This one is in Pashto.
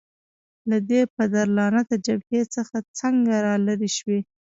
له دې پدرلعنته جبهې څخه څنګه رالیري شوې؟